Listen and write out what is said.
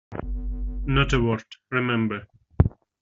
Not a word, remember!